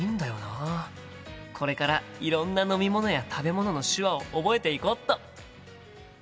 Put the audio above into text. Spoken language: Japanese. これからいろんな飲み物や食べ物の手話を覚えていこっと！